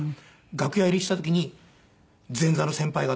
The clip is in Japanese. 楽屋入りした時に前座の先輩方